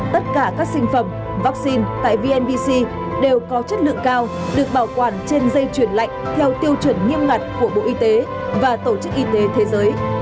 tất cả các sinh phẩm vaccine tại vnvc đều có chất lượng cao được bảo quản trên dây chuyển lạnh theo tiêu chuẩn nghiêm ngặt của bộ y tế và tổ chức y tế thế giới